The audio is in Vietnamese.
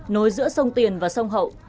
nối giữa sông tiền và sông hậu